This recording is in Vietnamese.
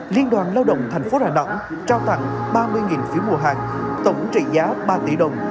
liên đoàn lao động tp đà nẵng trao tặng ba mươi phiếu mua hàng tổng trị giá ba tỷ đồng